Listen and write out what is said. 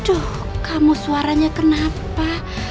aduh kamu suaranya kenapa